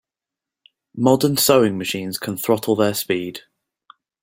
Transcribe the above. Modern sewing machines can throttle their speed.